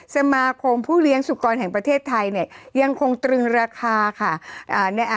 สมาคมผู้เลี้ยงสุกรแห่งประเทศไทยเนี่ยยังคงตรึงราคาค่ะ